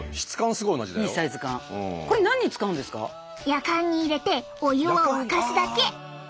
やかんに入れてお湯を沸かすだけ！